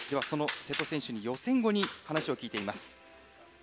瀬戸選手、予選後に話を聞いています。